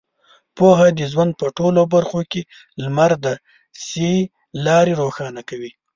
پوهه د ژوند په ټولو برخو کې لمر دی چې لارې روښانه کوي.